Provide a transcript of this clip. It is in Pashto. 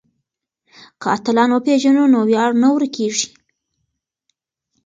که اتلان وپېژنو نو ویاړ نه ورکيږي.